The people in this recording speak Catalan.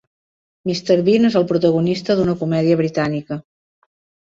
Mr. Bean és el protagonista d'una comèdia britànica.